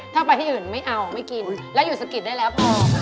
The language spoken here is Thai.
ถ้าไปที่อื่นไม่เอาไม่กินแล้วอยู่สะกิดได้แล้วพอ